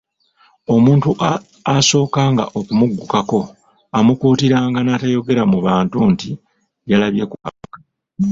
Omuntu asookanga okumuggukako, amukuutiranga n'atayogera mu bantu nti yalabye ku kabaka.